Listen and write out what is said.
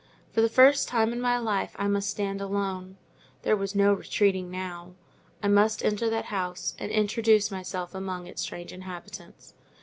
For the first time in my life I must stand alone: there was no retreating now. I must enter that house, and introduce myself among its strange inhabitants.